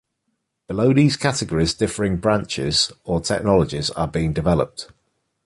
Below these categories different branches, or technologies are being developed.